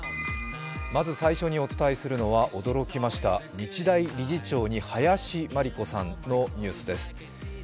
まず最初にお伝えするのは、驚きました、日大理事長に林真理子さんのニュースです。